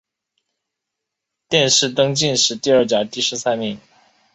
殿试登进士第二甲第十三名。